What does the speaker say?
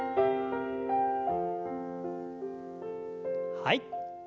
はい。